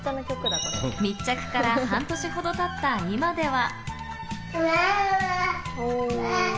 密着から半年ほど経った今では。